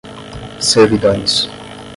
servidões